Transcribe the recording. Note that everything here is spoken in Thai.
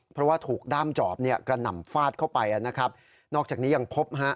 เพราะว่าถูกด้ามจอบเนี่ยกระหน่ำฟาดเข้าไปนะครับนอกจากนี้ยังพบฮะ